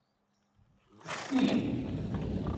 Fti.